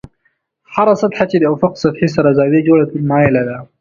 هره سطحه چې د افق سطحې سره زاویه جوړه کړي مایله ده.